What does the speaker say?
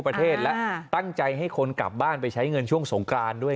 ประเทศและตั้งใจให้คนกลับบ้านไปใช้เงินช่วงสงกรานด้วย